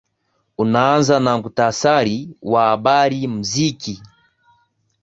unaanza na mktasari wa habari muziki